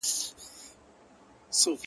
دومره وحشت دے ځنــاورو ترېـــنه کډه وکړه